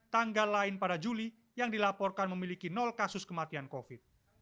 tanggal lain pada juli yang dilaporkan memiliki kasus kematian covid